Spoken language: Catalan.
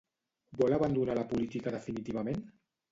Vol abandonar la política definitivament?